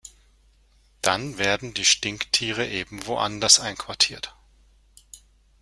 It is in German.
Dann werden die Stinktiere eben woanders einquartiert.